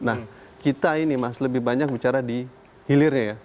nah kita ini mas lebih banyak bicara di hilirnya ya